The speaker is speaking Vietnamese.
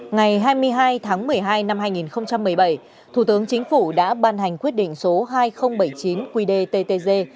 ngày hai mươi hai tháng một mươi hai năm hai nghìn một mươi bảy thủ tướng chính phủ đã ban hành quyết định số hai nghìn bảy mươi chín qdttg